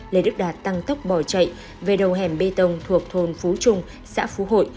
lê đức đạt tăng tốc bỏ chạy về đầu hẻm bê tông thuộc thôn phú trung xã phú hội